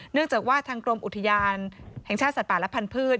เนื่องจากว่าทางกรมอุทยานแห่งชาติสัตว์ป่าและพันธุ์